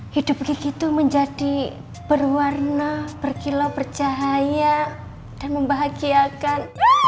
hidup begitu menjadi berwarna berkilau bercahaya dan membahagiakan